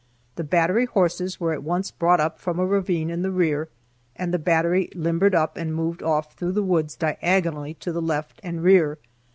The battery horses were at once brought up from a ravine in the rear, and the battery limbered up and moved off through the woods diagonally to the left and rear.